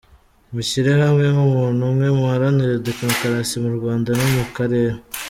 Mushyire hamwe nkumuntu umwe muharanire demokarasi mu Rwanda no Mukarere.